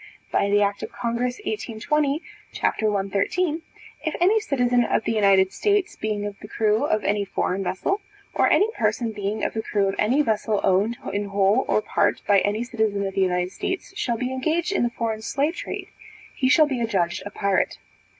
By the act of congress, 1820, c. 113, if any citizen of the United States, being of the crew of any foreign vessel, or any person being of the crew of any vessel owned in whole or part by any citizen of the United States, shall be engaged in the foreign slave trade, he shall be adjudged a pirate.